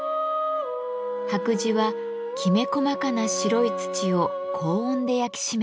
白磁はきめ細かな白い土を高温で焼き締めたもの。